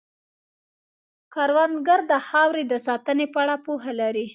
کروندګر د خاورې د ساتنې په اړه پوهه لري